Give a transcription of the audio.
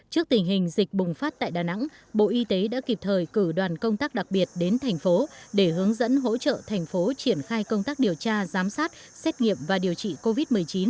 trước tình hình dịch bùng phát tại đà nẵng bộ y tế đã kịp thời cử đoàn công tác đặc biệt đến thành phố để hướng dẫn hỗ trợ thành phố triển khai công tác điều tra giám sát xét nghiệm và điều trị covid một mươi chín